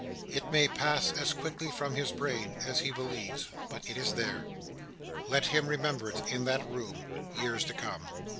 It may pass as quickly from his brain, as he believes, but it is there. Let him remember it in that room, years to come!